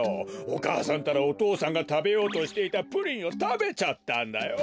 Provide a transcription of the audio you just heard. お母さんったらお父さんがたべようとしていたプリンをたべちゃったんだよ。